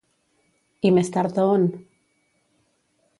I més tard a on?